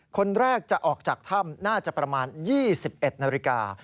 คนแรกจะออกจากถ้ำน่าจะประมาณ๒๑นาฬิกา